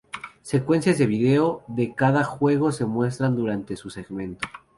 Secuencias de vídeo de cada juego se muestran durante su segmento.